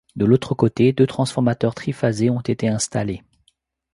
De l'autre côté deux transformateurs triphasés ont été installés.